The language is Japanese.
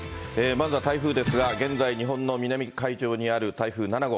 まずは台風ですが、現在、日本の南海上にある台風７号。